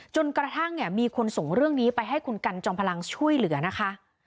จนกระทั่งเนี่ยมีคนส่งเรื่องนี้ไปให้คุณกันจอมพลังช่วยเหลือนะคะ